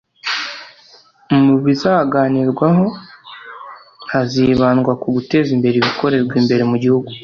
Mu bizaganirwaho hazibandwa ku guteza imbere ibikorerwa imbere mu gihugu